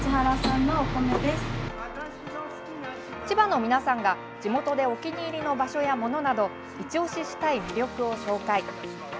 千葉の皆さんが地元でお気に入りの場所やものなどいち押ししたい魅力を紹介。